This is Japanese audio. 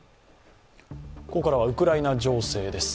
ここからはウクライナ情勢です。